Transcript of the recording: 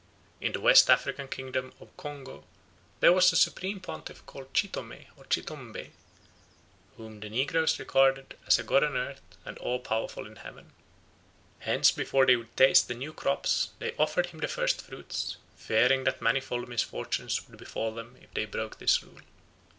In the West African kingdom of Congo there was a supreme pontiff called Chitomé or Chitombé, whom the negroes regarded as a god on earth and all powerful in heaven. Hence before they would taste the new crops they offered him the first fruits, fearing that manifold misfortunes would befall them if they broke this rule.